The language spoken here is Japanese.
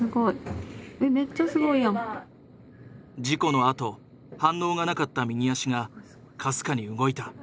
事故のあと反応がなかった右足がかすかに動いた。